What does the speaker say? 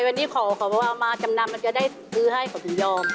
วันนี้ขอว่ามาจำนำจะได้ซื้อให้ของพี่ยอง